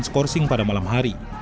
skorsing pada malam hari